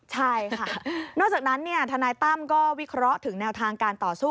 ใช่ค่ะนอกจากนั้นทนายตั้มก็วิเคราะห์ถึงแนวทางการต่อสู้